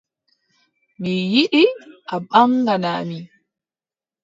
Mi yiɗi a ɓaŋgana mi.